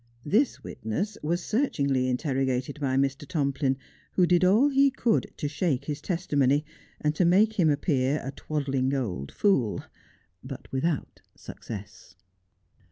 This witness was searchingly interrogated by Mr. Tomplin, who did all he could to shake his testimony, and to make him appear a twad dling old fool, but without success.